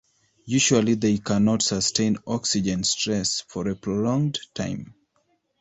Usually, they cannot sustain oxygen stress for a prolonged time.